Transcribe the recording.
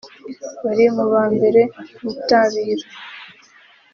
bari mu ba mbere bitabira